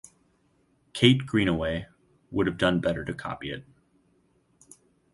Kate Greenaway would have done better to copy it.